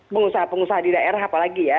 pengusaha pengusaha di daerah apalagi ya